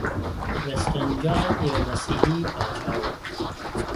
پرسټر جان یو مسیحي پاچا و.